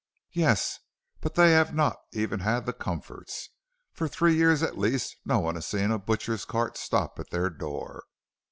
"'Yes, but they have not even had the comforts. For three years at least no one has seen a butcher's cart stop at their door.